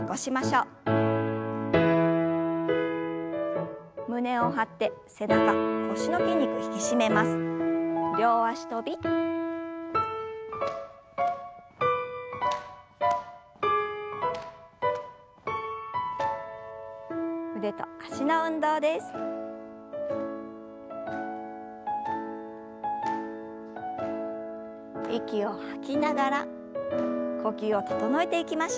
息を吐きながら呼吸を整えていきましょう。